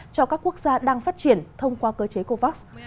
cho các quốc gia đang phát triển thông qua cơ chế covax